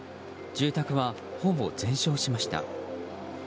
住宅は、ほぼ全焼しました。